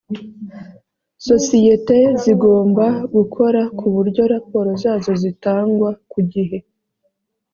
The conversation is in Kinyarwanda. sosiyete zigomba gukora ku buryo raporo zazo zitangwa ku gihe